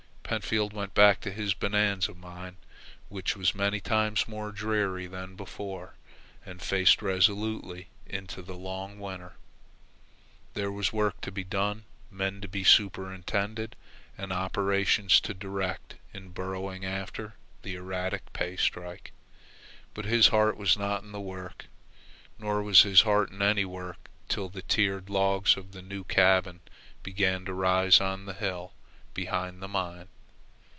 Pentfield went back to his Bonanza mine, which was many times more dreary than before, and faced resolutely into the long winter. There was work to be done, men to superintend, and operations to direct in burrowing after the erratic pay streak; but his heart was not in the work. Nor was his heart in any work till the tiered logs of a new cabin began to rise on the hill behind the mine.